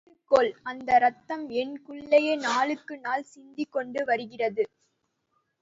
தெரிந்து கொள் அந்த இரத்தம் எனக்குள்ளேயே நாளுக்குநாள் சிந்திக்கொண்டு வருகிறது.